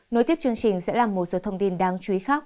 nối tiếp chương trình sẽ là một số thông tin đáng chú ý khác